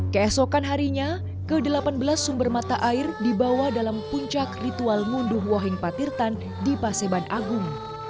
keesokan harinya ke delapan belas sumber mata air dibawa dalam puncak ritual ngunduh woheng patirtan di paseban agung